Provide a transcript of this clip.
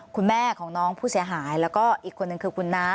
คุณแม่ของน้องผู้เสียหายแล้วก็อีกคนนึงคือคุณน้า